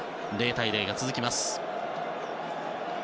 ０対０が続きます。